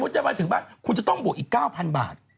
จะมาถึงบ้านคุณจะต้องบวกอีก๙๐๐บาท